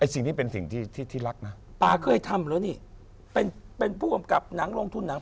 สิ่งนี้เป็นสิ่งที่ที่รักนะป่าเคยทำแล้วนี่เป็นเป็นผู้กำกับหนังลงทุนหนัง